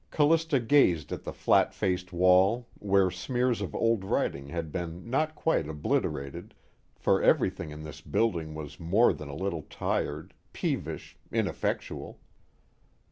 Callista gazed at the flat faced wall where smears of old writing had been not quite obliterated for everything in this building was more than a little tired, peevish, ineffectual.